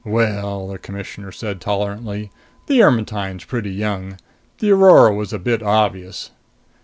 "Well," the Commissioner said tolerantly, "the Ermetyne's pretty young. The Aurora was a bit obvious."